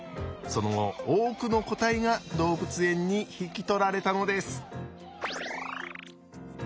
その後多くの個体が動物園に引き取られたのです。